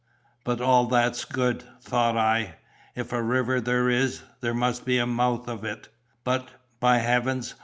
'By all that's good!' thought I, 'if a river there is, that must be the mouth of it!' But, by Heavens!